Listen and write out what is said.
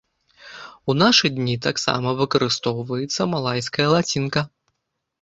У нашы дні таксама выкарыстоўваецца малайская лацінка.